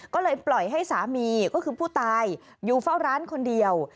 ก็เลยปล่อยให้สามีก็คือผู้ตายอยู่เฝ้าร้านคนเดียว